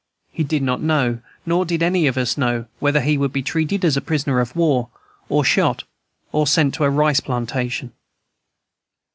He did not know, nor did any of us know, whether he would be treated as a prisoner of war, or shot, or sent to a rice plantation.